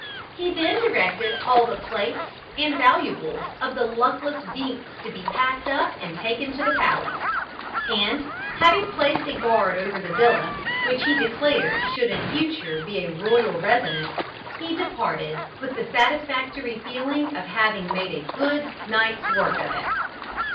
He then directed all the plate and valuables of the luckless Binks to be packed up and taken to the palace; and, having placed a guard over the villa, which he declared should in future be a royal residence, he departed, with the satisfactory feeling of having made a good night's work of it.